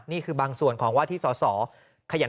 กรุงเทพฯมหานครทำไปแล้วนะครับ